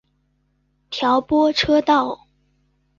调拨车道。